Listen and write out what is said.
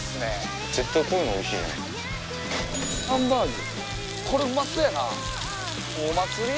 ハンバーグ。